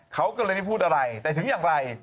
เขาก็เลยไม่พูดอะไรแต่ถึงอย่างไร